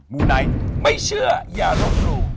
มูไนท์ไม่เชื่ออย่าลบหลู่